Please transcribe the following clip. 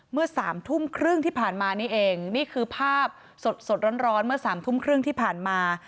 เมื่อสามทุ่มครึ่งที่ผ่านมานี่เองนี่คือภาพสดสดร้อนเมื่อสามทุ่มครึ่งที่ผ่านมา